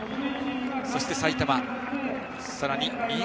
そして埼玉、新潟。